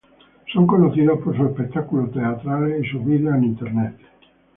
Son conocidos por sus espectáculos teatrales y sus vídeos en internet.